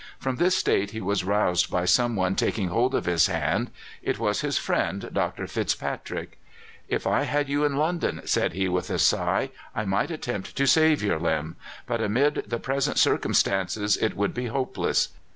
From this state he was roused by some one taking hold of his hand. It was his friend Dr. FitzPatrick. "If I had you in London," said he with a sigh, "I might attempt to save your limb; but amid the present circumstances it would be hopeless.